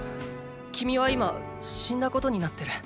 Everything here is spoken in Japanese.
君は今死んだことになってる。